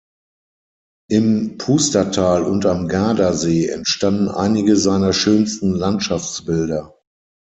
Im Pustertal und am Gardasee entstanden einige seiner schönsten Landschaftsbilder.